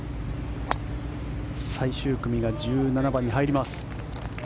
最終組が１７番に入ります。